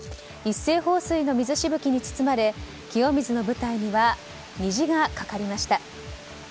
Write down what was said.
一斉放水の水しぶきに包まれ清水の舞台には虹がかかりました。